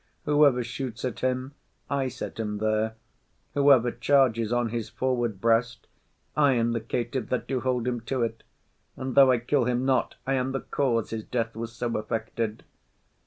Whoever shoots at him, I set him there; Whoever charges on his forward breast, I am the caitiff that do hold him to't; And though I kill him not, I am the cause His death was so effected.